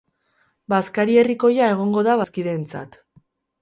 Bazkari herrikoia egongo da bazkideentzat.